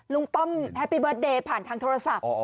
ป้อมแฮปปี้เบิร์ตเดย์ผ่านทางโทรศัพท์